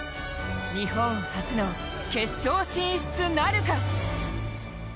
日本初の決勝進出なるか。